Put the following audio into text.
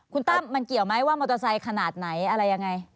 คุณตั้มมันเกี่ยวไหมว่ามอเตอร์ไซค์ขนาดไหนอะไรยังไง